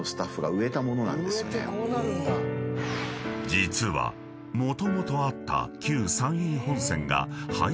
［実はもともとあった］